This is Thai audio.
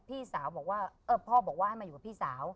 พี่สาวบอกว่าเออพ่อบอกว่าให้มาอยู่กับพี่สาว